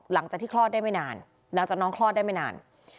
หลังจากที่คลอดได้ไม่นานหลังจากน้องคลอดได้ไม่นาน